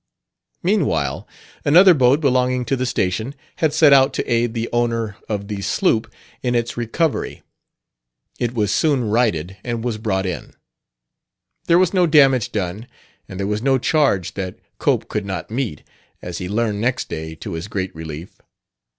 Meanwhile, another boat belonging to the station had set out to aid the owner of the sloop in its recovery. It was soon righted and was brought in. There was no damage done, and there was no charge that Cope could not meet, as he learned next day to his great relief.